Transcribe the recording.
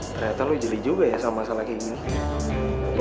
ternyata lu jeli juga ya sama masalah kayak gini